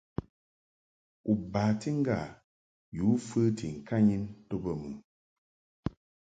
U bati ŋgâ yǔ fəti ŋkanyin to bə mɨ?